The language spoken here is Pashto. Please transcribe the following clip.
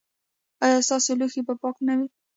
ایا ستاسو لوښي به پاک نه وي؟